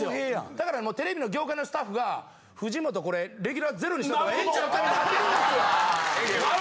だからもうテレビの業界のスタッフが藤本これレギュラー０にしといた方がええんちゃうかみたいになってるんですよ！